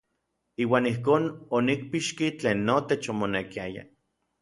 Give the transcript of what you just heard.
Iuan ijkon onikpixki tlen notech omonekiaya.